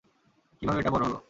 কিভাবে এটা বড় হলো?